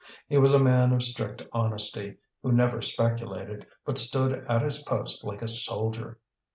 He was a man of strict honesty, who never speculated, but stood at his post like a soldier.